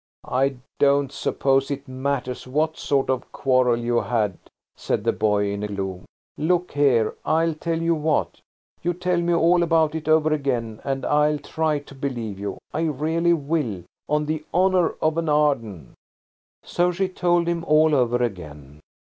"I don't suppose it matters what sort of quarrel you had," said the boy in gloom. "Look here–I'll tell you what–you tell me all about it over again and I'll try to believe you. I really will, on the honour of an Arden." So she told him all over again.